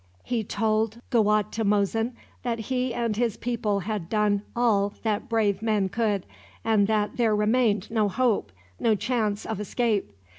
He told Guatimozin that he and his people had done all that brave men could, and that there remained no hope, no chance, of escape.